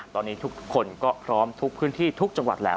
ตอนนี้ทุกคนก็พร้อมทุกพื้นที่ทุกจังหวัดแล้ว